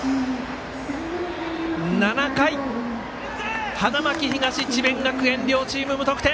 ７回、花巻東、智弁学園両チーム、無得点。